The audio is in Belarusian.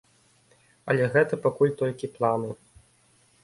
Але гэта пакуль толькі планы.